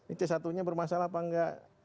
ini c satu nya bermasalah apa enggak